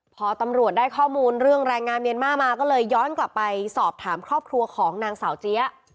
พอตำรวจได้ข้อมูลเรื่องแรงงานเมียนมาร์มาก็เลยย้อนกลับไปสอบถามครอบครัวของนางสาวเจี๊ย